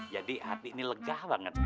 jadi hati ini legah banget